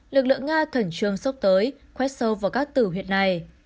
lực lượng nga thẩn trương sốc tới khoét sâu vào các tử huyệt này